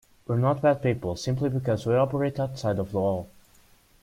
We are not bad people simply because we operate outside of the law.